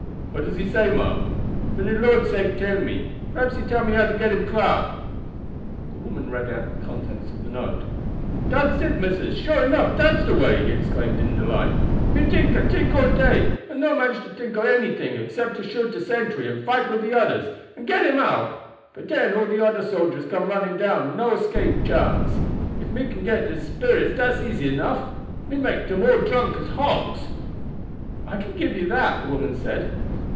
What does he say, ma'am? For de Lord sake tell me. Perhaps he tell me how to get him clar." The woman read out the contents of the note. "Dat's it, missus, sure enough; dat's the way," he exclaimed in delight. "Me tink and tink all day, and no manage to tink of anything except to shoot de sentry and fight wid de oders and get him out; but den all de oder sojers come running down, and no chance to escape. If me can get de spirits dat's easy enough. Me make dem all drunk as hogs." "I can give you that," the woman said.